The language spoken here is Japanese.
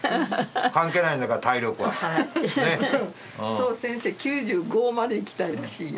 そう先生９５まで生きたいらしいよ。